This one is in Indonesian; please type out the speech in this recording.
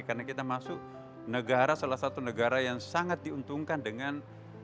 karena kita masuk negara salah satu negara yang sangat diuntungkan dengan